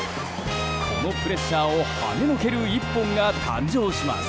このプレッシャーをはねのける１本が誕生します。